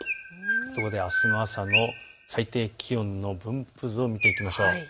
あすの朝の最低気温の分布図を見ていきましょう。